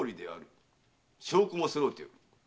証拠もそろっておる。